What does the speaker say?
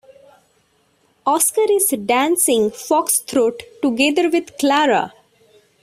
Oscar is dancing foxtrot together with Clara.